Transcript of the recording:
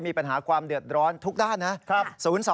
มีปัญหาความเดือดร้อนทุกด้านนะ